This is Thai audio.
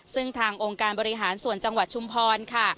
ซึ่งทางองค์การบริหารส่วนจังหวัดชุมพรค่ะ